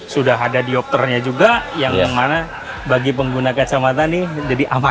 sudah ada diopternya juga yang mana bagi pengguna kacamata ini jadi aman